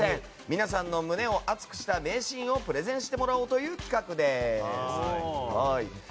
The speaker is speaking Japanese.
皆さんの胸を熱くした名シーンをプレゼンしてもらおうという企画です。